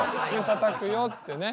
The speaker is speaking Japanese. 「たたくよ」ってね。